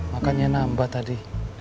makanya nambah tadi